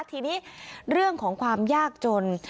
ทีนี้เรื่องของความยากจน